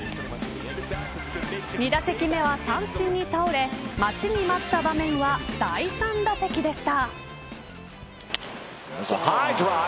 ２打席目は三振に倒れ待ちに待った場面は第３打席でした。